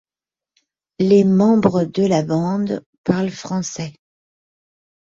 Les membres de la bande parlent français.